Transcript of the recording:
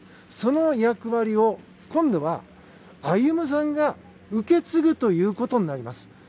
その役割を今度は、歩夢さんが受け継ぐということになります。